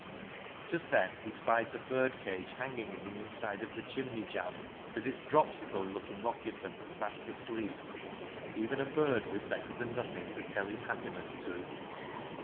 Just then he spied the birdcage hanging in the inside of the chimney jamb with its dropsical looking occupant fast asleep. Even a bird was better than nothing to tell his happiness to.